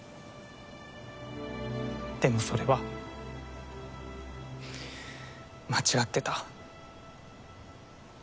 でもそれはううっ間違ってた。